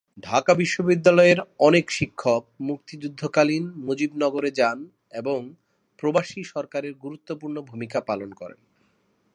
ঢাকা বিশ্ববিদ্যালয়ের অনেক শিক্ষক মুক্তিযুদ্ধকালীন মুজিবনগর যান এবং প্রবাসী সরকারে গুরুত্বপূর্ণ ভূমিকা পালন করেন।